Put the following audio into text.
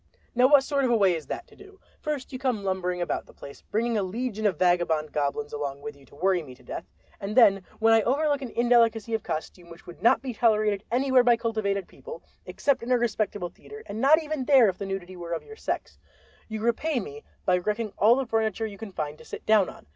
"Now what sort of a way is that to do? First you come lumbering about the place bringing a legion of vagabond goblins along with you to worry me to death, and then when I overlook an indelicacy of costume which would not be tolerated anywhere by cultivated people except in a respectable theater, and not even there if the nudity were of your sex, you repay me by wrecking all the furniture you can find to sit down on.